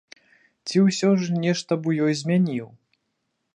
Ці ўсё ж нешта б у ёй змяніў?